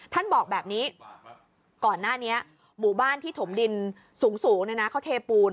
ท่านบอกแบบนี้ก่อนหน้านี้หมู่บ้านที่ถมดินสูงเขาเทปูน